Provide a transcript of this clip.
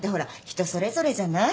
人それぞれじゃない。